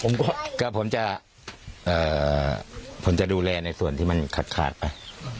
ผมก็ก็ผมจะเอ่อผมจะดูแลในส่วนที่มันขาดขาดไป